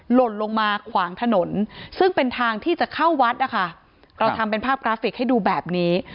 หล่นลงมาขวางถนนซึ่งเป็นทางที่จะเข้าวัดนะคะเราทำเป็นภาพกราฟิกให้ดูแบบนี้